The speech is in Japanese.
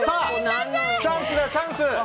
チャンスだ、チャンス！